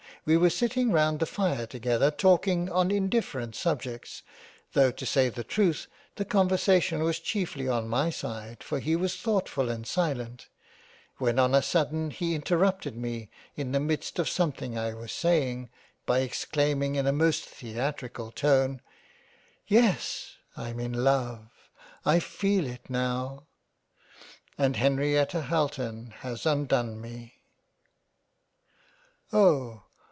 We were sitting round the fire together talking on indifferent subjects, though to say the truth the Conversation was cheifly on my side for he was thoughtful and silent, when on a sudden he interrupted me in the midst of something I was saying, by exclaiming in a most Theatrical tone — Yes I'm in love I feel it now And Henrietta Halton has undone me " Oh